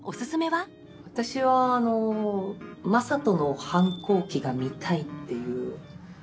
私は正門の反抗期が見たいっていう。